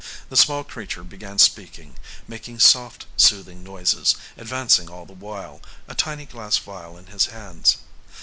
The small creature began speaking, making soft, soothing noises, advancing all the while, a tiny glass vial in his hands.